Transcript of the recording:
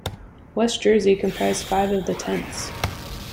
West Jersey comprised five of the tenths.